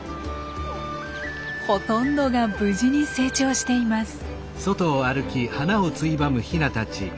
ほとんどが無事に成長しています。